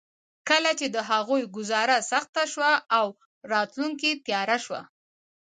کله چې د هغوی ګوزاره سخته شوه او راتلونکې تياره شوه.